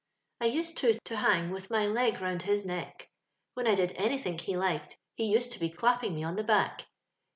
I used, too, to hang with my leg roimd his neck. 'When I did anythink he liked, be used to be clapping me on the back.